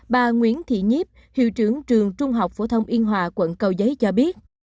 bà nguyễn thị nhiếp hiệu trưởng trường trung học phổ thông yên hòa quận cầu giấy cho biết